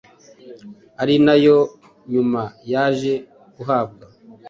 ari nayo nyuma yaje guhabwa